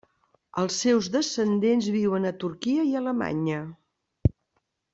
Els seus descendents viuen a Turquia i Alemanya.